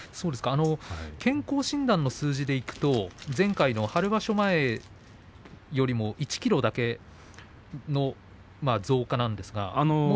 健康診断の数字でいうと前回の春場所前よりも１ｋｇだけ増加なんですが。